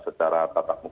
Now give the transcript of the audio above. secara tatap muka